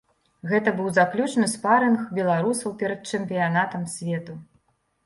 Гэта быў заключны спарынг беларусаў перад чэмпіянатам свету.